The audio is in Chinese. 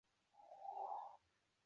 圣日尔曼朗戈。